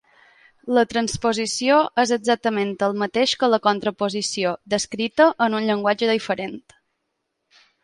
La transposició és exactament el mateix que la contraposició, descrita en un llenguatge diferent.